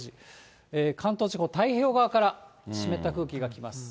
関東地方、太平洋側から湿った空気が来ます。